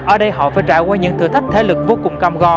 ở đây họ phải trải qua những thử thách thể lực vô cùng cam go